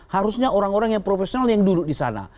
harusnya orang orang yang profesional yang duduk di sana